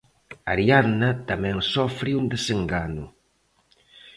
Ariadna tamén sofre un desengano.